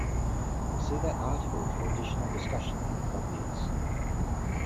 See that article for additional discussion and properties.